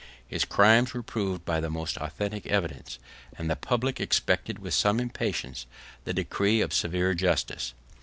His crimes were proved by the most authentic evidence; and the public expected, with some impatience, the decree of severe justice.